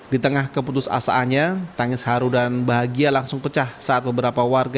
di tengah keputus asaannya tangis haru dan bahagia langsung pecah saat beberapa warga